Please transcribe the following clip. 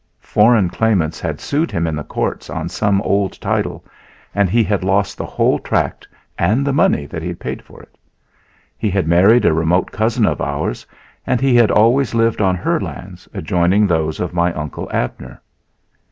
Foreign claimants had sued him in the courts on some old title and he had lost the whole tract and the money that he had paid for it. He had married a remote cousin of ours and he had always lived on her lands, adjoining those of my Uncle Abner.